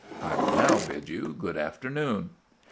I will now bid you good afternoon."